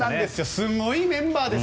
すごいメンバーです。